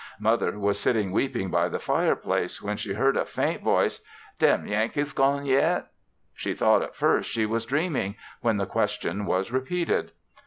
Mother was sitting weeping by the fire place, when she heard a faint voice; "dem Yankee gone yet?" She thought at first she was dreaming, when the question was repeated.